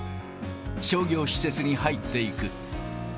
商業施設に入っていく。